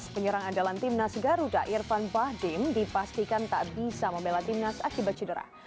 penyerang andalan timnas garuda irfan bahdim dipastikan tak bisa membela timnas akibat cedera